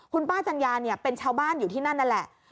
คุณป้าจัญญาเนี่ยเป็นชาวบ้านอยู่ที่นั่นนั่นแหละ